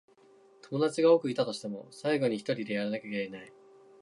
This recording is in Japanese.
友達が多くいたとしても、最後にはひとりでやらなくちゃならない。